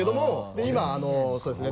で今そうですね。